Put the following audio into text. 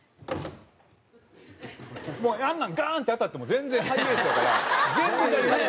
もうあんなんガーン！って当たっても全然ハイエースやから全然大丈夫。